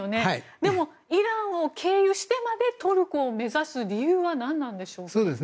でも、イランを経由してまでトルコを目指す理由は何なんでしょう。